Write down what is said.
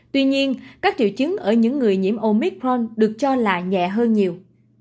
tuy nhiên các triệu chứng ở những người nhiễm omicron được cho là nhẹ hơn nhiều